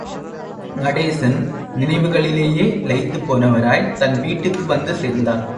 நடேசன் நினைவுகளிலேயே இலயித்துப் போனவராய், தன் வீட்டுக்கு வந்துசேர்ந்தார்.